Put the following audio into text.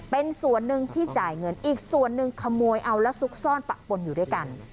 เป็นส่วนหนึ่งที่จ่ายเงินอีกส่วนหนึ่งขโมยเอาและซุกซ่อนปะปนอยู่ด้วยกัน